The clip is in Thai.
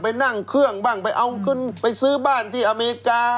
ไปนั่งเครื่องบ้างไปซื้อบ้านที่อเมริกา